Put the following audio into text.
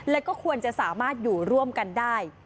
แล้วก็ควรจะสามารถอยู่ร่วมกันได้